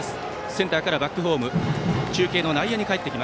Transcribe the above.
センターからバックホーム。